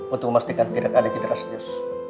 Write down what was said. untuk memastikan tidak ada kinerja sedus